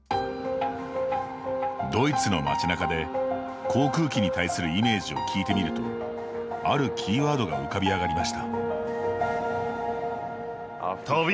ドイツの町なかで、航空機に対するイメージを聞いてみるとあるキーワードが浮かび上がりました。